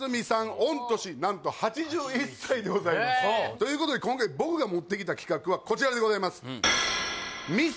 御年何と８１歳でございますということで今回僕が持ってきた企画はこちらでございます